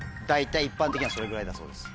一般的にはそれぐらいだそうです。